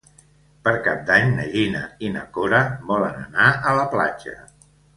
Per Cap d'Any na Gina i na Cora volen anar a la platja.